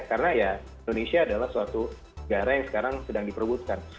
karena ya indonesia adalah suatu negara yang sekarang sedang diperbutkan